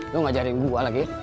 lu ngajarin gue lagi